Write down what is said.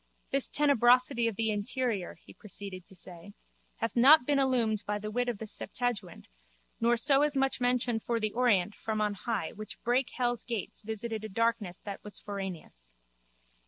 This tenebrosity of the interior, he proceeded to say, hath not been illumined by the wit of the septuagint nor so much as mentioned for the Orient from on high which brake hell's gates visited a darkness that was foraneous.